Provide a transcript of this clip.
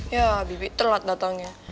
ya bibi telat datangnya